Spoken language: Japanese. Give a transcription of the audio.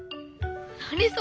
何それ？